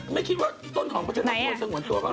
ไปเจอกันวันจาน